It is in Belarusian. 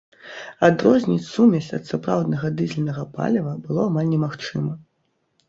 Адрозніць сумесь ад сапраўднага дызельнага паліва было амаль немагчыма.